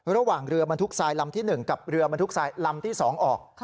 ระหว่างเรือบรรทุกทรายลำที่๑กับเรือบรรทุกทรายลำที่๒ออก